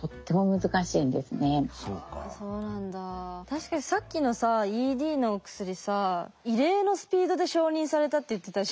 確かにさっきのさＥＤの薬さ異例のスピードで承認されたって言ってたじゃん。